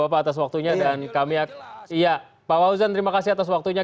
pak wawzan terima kasih atas waktunya